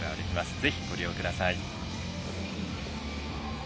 ぜひ、ご利用ください。